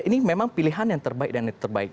ini memang pilihan yang terbaik